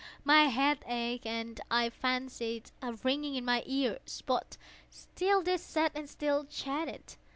My head ached, and I fancied a ringing in my ears: but still they sat and still chatted.